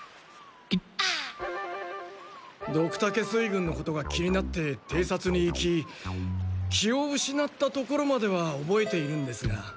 ドクタケ水軍のことが気になっててい察に行き気を失ったところまでは覚えているんですが。